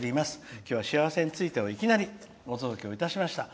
今日は「しあわせについて」をいきなりお届けいたしました。